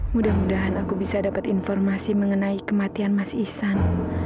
mudah mudahan aku bisa dapat informasi mengenai kematian mas ihsan